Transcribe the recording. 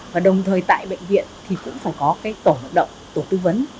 và đồng thời tại bệnh viện thì cũng phải có cái tổ vận động tổ tư vấn